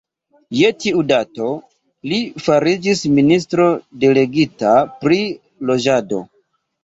Je tiu dato, li fariĝis ministro delegita pri loĝado.